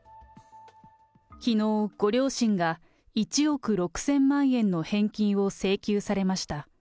きのうご両親が１億６０００万円の返金を請求されました。